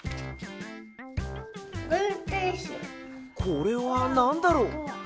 これはなんだろう？